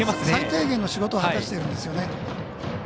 最低限の仕事は果たしているんですよね。